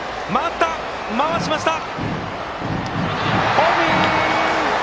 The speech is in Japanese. ホームイン！